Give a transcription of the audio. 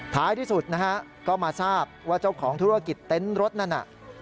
ท้ายที่สุดนะฮะก็มาทราบว่าเจ้าของธุรกิจเต็นต์รถนั่นน่ะ